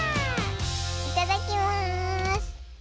いただきます。